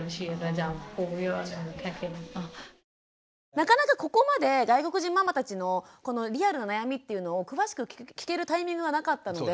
なかなかここまで外国人ママたちのこのリアルな悩みっていうのを詳しく聞けるタイミングがなかったので。